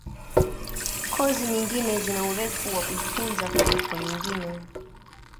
Kozi nyingine zina urefu wa kujifunza kuliko nyingine.